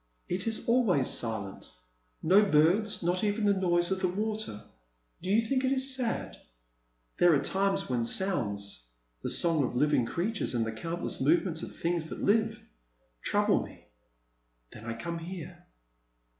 It is always silent — no birds, not even the noise of the water. Do you think it is sad ? There are times when sounds, — the song of living creatures and the countless movements of things that live, trouble me. Then I come here.